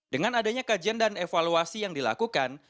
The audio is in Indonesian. dengan adanya kajian dan evaluasi yang dilakukan